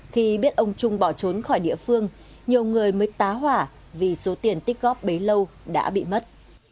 khi biết ông trung bỏ trốn khỏi địa phương nhiều người mới tá hỏa vì số tiền tích góp bấy lâu đã bị mất